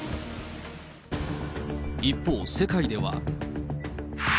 一方、世界では。